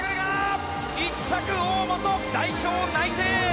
１着、大本代表内定！